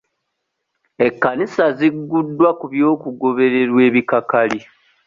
Ekkanisa zigguddwa ku by'okugobererwa ebikakali.